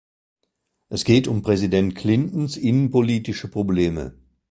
Es geht um Präsident Clintons innenpolitische Probleme.